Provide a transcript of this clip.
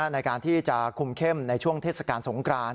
ในการที่จะคุมเข้มในช่วงเทศกาลสงคราน